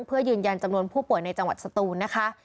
เพื่อยืนยันจำนวนผู้ป่วยในจังหวัดสตูนนะคะ